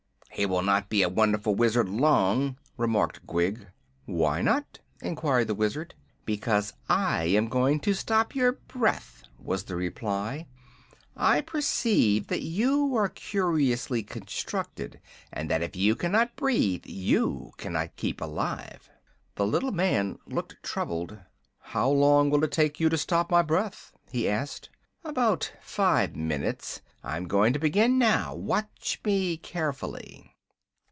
"He will not be a wonderful Wizard long," remarked Gwig. "Why not?" enquired the Wizard. "Because I am going to stop your breath," was the reply. "I perceive that you are curiously constructed, and that if you cannot breathe you cannot keep alive." The little man looked troubled. "How long will it take you to stop my breath?" he asked. "About five minutes. I'm going to begin now. Watch me carefully."